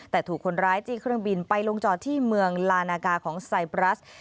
แต่ถูกคนร้ายจี้เครื่องบินไปลงจอดที่เมืองลานากาของไซปรัส